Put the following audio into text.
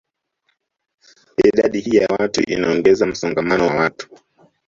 Idadi hii ya watu inaongeza msongamano wa watu